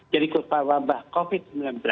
jadi akur pahwa bah covid sembilan belas